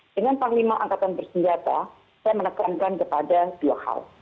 dengan panglima angkatan bersenjata saya menekankan kepada dua hal